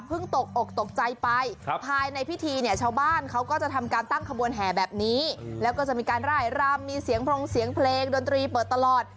ุะมีการร้ายลำมีเสียงโพรงเสียงเพลงดนตรีเปิดตลอด